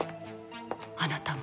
あなたも。